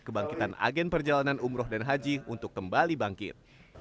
kebangkitan agen perjalanan umroh dan haji untuk kembali bangkit